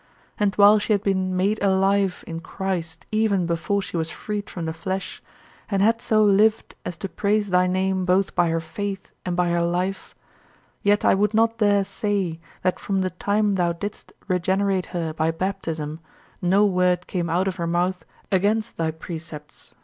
And while she had been "made alive" in Christ even before she was freed from the flesh, and had so lived as to praise thy name both by her faith and by her life, yet I would not dare say that from the time thou didst regenerate her by baptism no word came out of her mouth against thy precepts.